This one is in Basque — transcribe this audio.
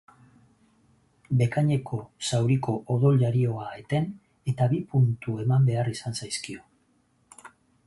Bekaineko zauriko odol-jarioa eten eta bi puntu eman behar izan zaizkio.